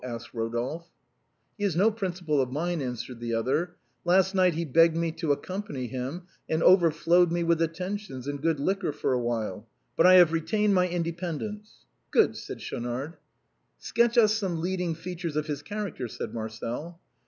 " asked Eodolphe. " He is no principal of mine," answered the other ;" last night he begged me to accompany him, and overflowed me with attentions and good liquor for a while ; but I have retained my independence." " Good," said Schaunard. " Sketch us some leading features of his character," said Marcel.